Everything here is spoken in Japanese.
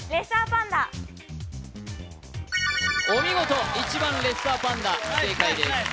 お見事１番レッサーパンダ正解です